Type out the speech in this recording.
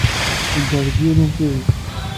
Nedder deg yiwen n umtiweg.